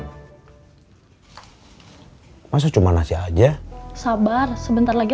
hai masa cuma nasi aja sabar sebentar lagi